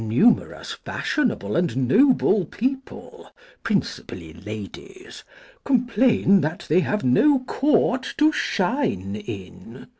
Numerous fashionable and noble people (principally ladies) complain that they have no Court to shine, in.